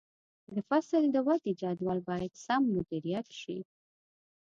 د فصل د ودې جدول باید سم مدیریت شي.